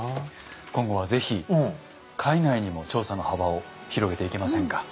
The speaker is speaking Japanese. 今後は是非海外にも調査の幅を広げていけませんか？